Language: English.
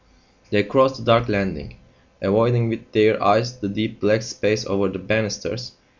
They crossed the dark landing, avoiding with their eyes the deep black space over the banisters.